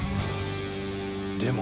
でも。